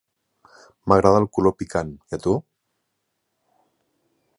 M'agrada el color picant, i a tu?